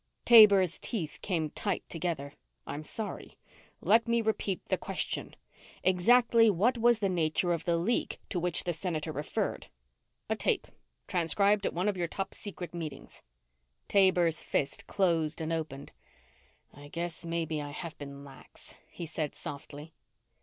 Taber's teeth came tight together. "I'm sorry. Let me repeat the question. Exactly what was the nature of the leak to which the Senator referred?" "A tape transcribed at one of your top secret meetings." Taber's fist closed and opened. "I guess maybe I have been lax," he said softly.